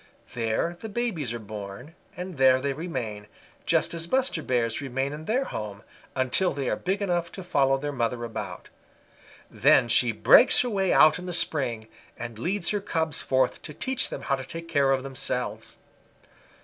There the babies are born, and there they remain, just as Buster Bear's remain in their home, until they are big enough to follow their mother about. Then she breaks her way out in the spring, and leads her cubs forth to teach them how to take care of themselves.